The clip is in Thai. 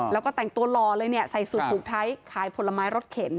แล้วก็แต่งตัวหล่อเลยเนี่ยใส่สูตรผูกไทยขายผลไม้รถเข็น